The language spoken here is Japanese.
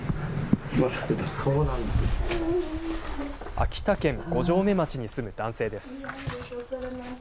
秋田県五城目町に住む男性です。